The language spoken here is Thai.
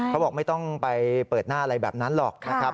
เขาบอกไม่ต้องไปเปิดหน้าอะไรแบบนั้นหรอกนะครับ